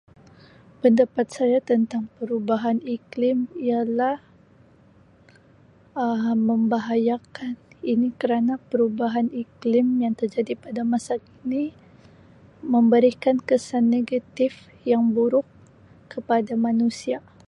Pendapat saya tentang perubahan iklim ialah Um membahayakan ini kerana perubahan iklim yang terjadi pada masa kini memberikan kesan negatif yang buruk kepada manusia.